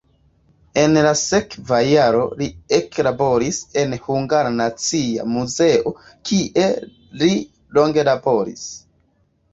En la sekva jaro li eklaboris en Hungara Nacia Muzeo, kie li longe laboris.